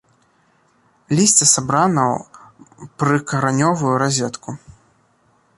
Лісце сабрана ў прыкаранёвую разетку.